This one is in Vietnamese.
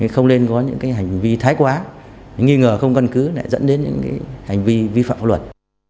không nên có những cái hành vi thái quá nghi ngờ không cân cứ lại dẫn đến những cái hành vi vi phạm pháp luật